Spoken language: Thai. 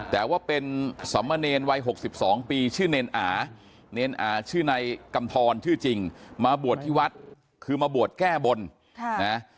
แต่ว่าเป็นสมเนรวัยหกสิบสองปีชื่อเนรอเนรอชื่อในกรรมทรชื่อจริงมาบวชที่วัดคือมาบวชแก้บลนะฮะ